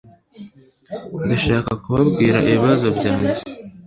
Ndashaka kubabwira ibibazo byanjye